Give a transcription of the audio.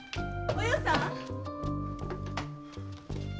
お葉さん？